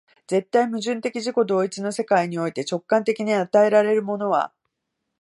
絶対矛盾的自己同一の世界において、直観的に与えられるものは、